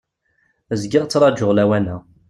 Zgiɣ ttrajuɣ lawan-a.